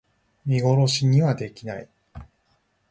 見殺しにはできない